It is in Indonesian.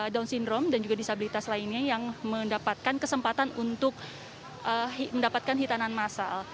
down syndrome dan juga disabilitas lainnya yang mendapatkan kesempatan untuk mendapatkan hitanan masal